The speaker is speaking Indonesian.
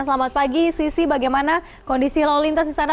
selamat pagi sisi bagaimana kondisi lalu lintas di sana